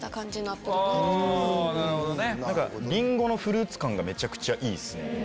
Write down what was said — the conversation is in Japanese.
りんごのフルーツ感がめちゃくちゃいいっすね。